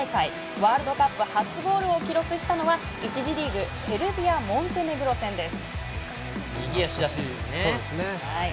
ワールドカップ初ゴールを記録したのは１次リーグセルビア・モンテネグロ戦です。